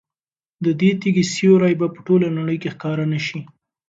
د دې تیږې سیوری به په ټوله نړۍ کې ښکاره نه شي.